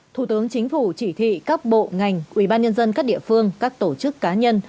một thủ tướng chính phủ chỉ thị các bộ ngành ủy ban nhân dân các địa phương các tổ chức cá nhân